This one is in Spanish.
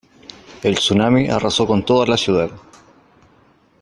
El tsunami arrasó con toda la ciudad.